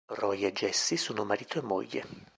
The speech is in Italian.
Roy e Jessie sono marito e moglie.